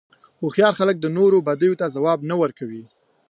هوښیار خلک د نورو بدیو ته ځواب نه ورکوي.